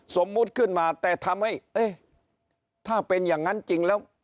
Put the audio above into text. สมมุติขึ้นมาแต่ทำให้เอ๊ะถ้าเป็นอย่างนั้นจริงแล้ว